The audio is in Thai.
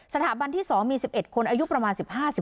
สถาบันที่๒มี๑๑คนอายุประมาณ๑๕๑๖